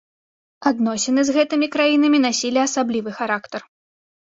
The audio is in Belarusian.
Адносіны з гэтымі краінамі насілі асаблівы характар.